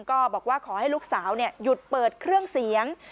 ก็บอกว่าขอให้ลูกสาวหยุดเปิดเครื่องเสียง